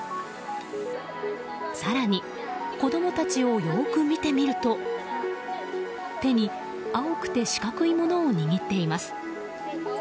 更に、子供たちをよく見てみると手に青くて四角いものを握っています。